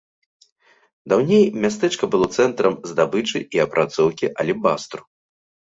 Даўней мястэчка было цэнтрам здабычы і апрацоўкі алебастру.